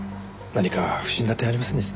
何か不審な点ありませんでした？